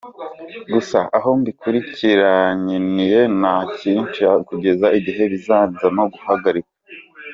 Gusa aho mbikurikiraniye nta kincika kugeza igihe bizanzamo guhagarika.